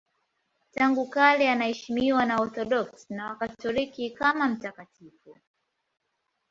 Tangu kale anaheshimiwa na Waorthodoksi na Wakatoliki kama mtakatifu.